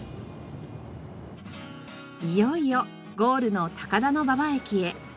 いよいよゴールの高田馬場駅へ。